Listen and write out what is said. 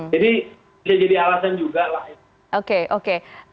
jadi bisa jadi alasan juga lah